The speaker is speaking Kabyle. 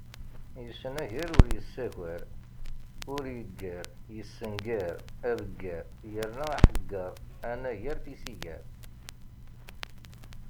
Yesnagar ur yessagar, ur yeggar, yessengar, abeggar yerna aḥegger, anagar tisigar.